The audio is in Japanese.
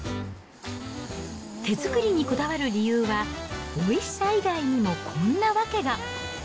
手作りにこだわる理由は、おいしさ以外にもこんな訳が。